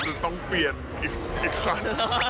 จะต้องเปลี่ยนอีกครั้ง